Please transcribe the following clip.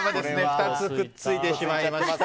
２つくっついてしまいました。